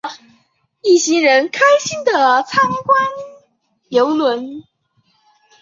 一行人开心的参观邮轮。